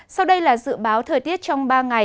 sau đây là dự báo thời tiết trong ba ngày